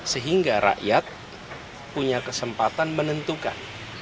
sehingga rakyat punya kesempatan menentukan